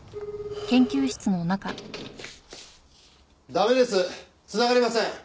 駄目です繋がりません。